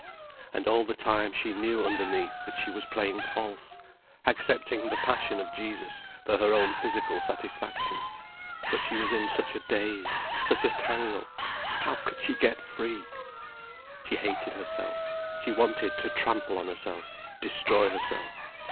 And all the time she knew underneath that she was playing false, accepting the passion of Jesus for her own physical satisfaction. But she was in such a daze, such a tangle. How could she get free? She hated herself, she wanted to trample on herself, destroy herself.